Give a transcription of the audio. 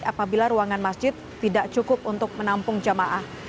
apabila ruangan masjid tidak cukup untuk menampung jamaah